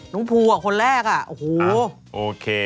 น้องพูคนแรกโอเค